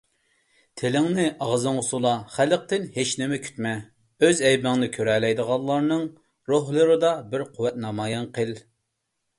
تىلىڭنى ئاغزىڭغا سولا، خەلقتىن ھېچنېمە كۈتمە، ئۆز ئەيىبىڭنى كۆرەلەيدىغانلارنىڭ روھلىرىدا بىر قۇۋۋەت نامايان قىل.